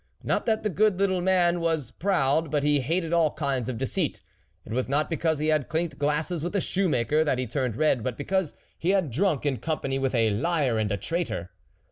Not that the good little man was proud, but he hated all kinds of deceit ; it was not because he had clinked glasses with a shoe maker that he turned red, but because he had drunk in company with a liar and a traitor.